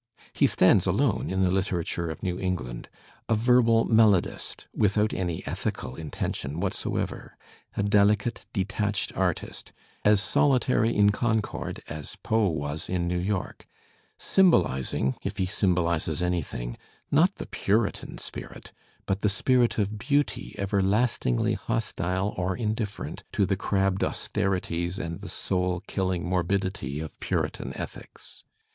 He stands alone in the literature of New England, a verbal melodist without any ethical intention whatsoever, a delicate detached artist, as solitary in Concord as Poe was in New York; symbolizing, if he i^ymbolizes anything, not the Puritan spirit, but the spirit of beauty everlastingly hostile or indifferent to the crabbed austerities and the soul killing morbidity of Puritan ethics.